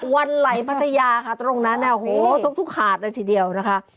วันไหลพัทยาค่ะตรงนั้นทุกหาดเลยทีเดียวนะคะ